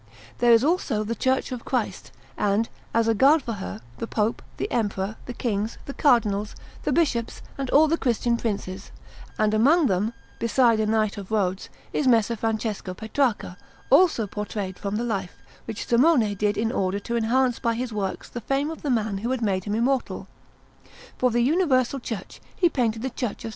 There is also the Church of Christ, and, as a guard for her, the Pope, the Emperor, the Kings, the Cardinals, the Bishops, and all the Christian Princes; and among them, beside a Knight of Rhodes, is Messer Francesco Petrarca, also portrayed from the life, which Simone did in order to enhance by his works the fame of the man who had made him immortal. For the Universal Church he painted the Church of S.